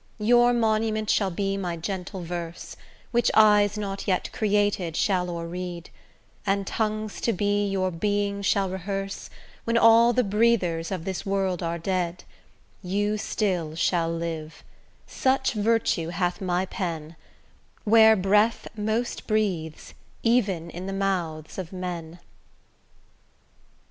Your monument shall be my gentle verse, Which eyes not yet created shall o'er read; And tongues to be, your being shall rehearse, When all the breathers of this world are dead; You still shall live, such virtue hath my pen, Where breath most breathes, even in the mouths of men.